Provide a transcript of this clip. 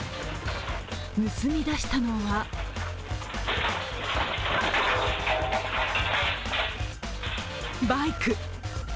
盗み出したのはバイク。